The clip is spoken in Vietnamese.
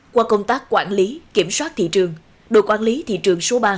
qua công tác quản lý kiểm soát thị trường đội quản lý thị trường số ba